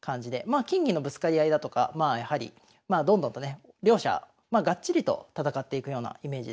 まあ金銀のぶつかり合いだとかまあどんどんとね両者がっちりと戦っていくようなイメージでしょうか。